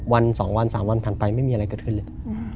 วัน๒วัน๓วันผ่านไปไม่มีอะไรเกิดขึ้นเลย